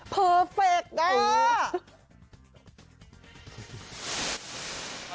เพอร์เฟคเตอร์